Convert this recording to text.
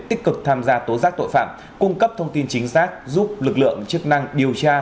tích cực tham gia tố giác tội phạm cung cấp thông tin chính xác giúp lực lượng chức năng điều tra